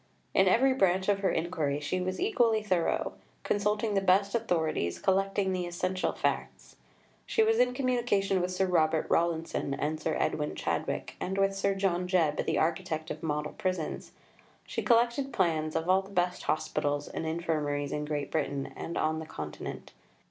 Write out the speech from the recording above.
In every branch of her inquiry she was equally thorough; consulting the best authorities, collecting the essential facts. She was in communication with Sir Robert Rawlinson and Sir Edwin Chadwick, and with Sir John Jebb, the architect of model prisons. She collected plans of all the best hospitals and infirmaries in Great Britain and on the Continent.